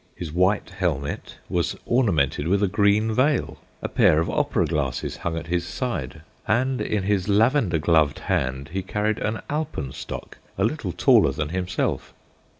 His white helmet was ornamented with a green veil; a pair of opera glasses hung at his side, and in his lavender gloved hand he carried an alpenstock a little taller than himself.